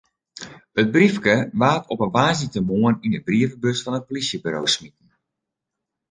It briefke waard op in woansdeitemoarn yn de brievebus fan it polysjeburo smiten.